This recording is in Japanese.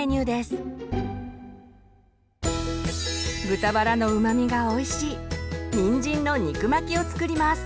豚バラのうまみがおいしいにんじんの肉巻きを作ります。